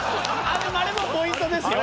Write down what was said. あれポイントですよ。